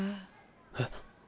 えっ。